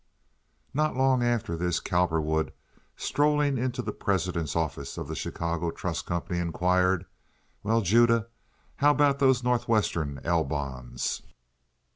Not long after this Cowperwood, strolling into the president's office of the Chicago Trust Company, inquired: "Well, Judah, how about those Northwestern 'L' bonds?"